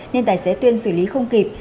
nên tài xế tuyên xử lý không kịp